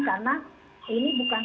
karena ini bukan